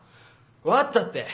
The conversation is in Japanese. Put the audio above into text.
分かったって。